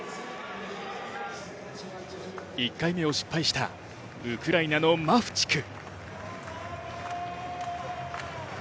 １回目を失敗したウクライナのマフチク。